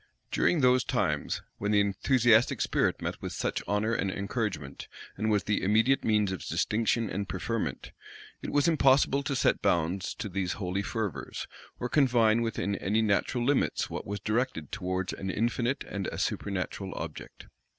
During those times, when the enthusiastic spirit met with such honor and encouragement, and was the immediate means of distinction and preferment, it was impossible to set bounds to these holy fervors, or confine within any natural limits what was directed towards an infinite and a supernatural object.